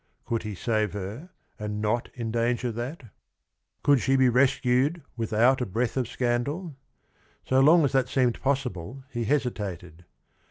Could he save her and not endanger that ? Could she be rescued without a breath of scandal? So long as that seemed possible, he hesitated.